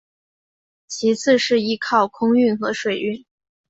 其次是依靠空运和水运。